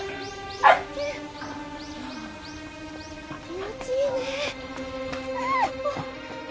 気持ちいいねえ。